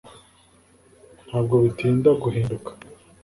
Ntabwo bitinda guhinduka